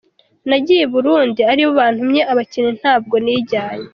Nagiye i Buurundi aribo bantumye abakinnyi ntabwo nijyanye.